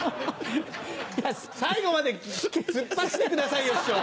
最後まで突っ走ってくださいよ師匠。